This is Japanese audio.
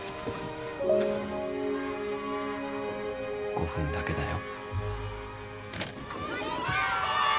５分だけだよ。